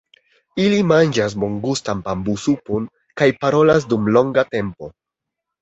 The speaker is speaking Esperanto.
Ili manĝas bongustan bambusupon kaj parolas dum longa tempo.